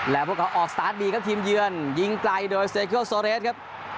แล้วพวกเขาออกสตาร์ทดีครับทีมเยือนยิงไกลโดยเซเคิลโซเรสครับ